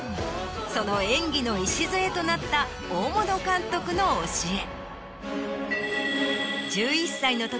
その演技の礎となった大物監督の教え。